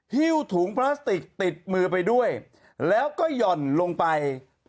ฮิ้วถุงพลาสติกติดมือไปด้วยแล้วก็หย่อนลงไป